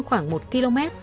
khoảng một km